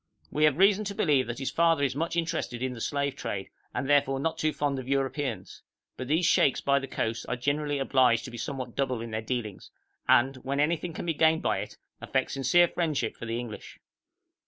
We have reason to believe that his father is much interested in the slave trade, and therefore not too fond of Europeans; but these sheikhs by the coast are generally obliged to be somewhat double in their dealings, and, when anything can be gained by it, affect sincere friendship for the English.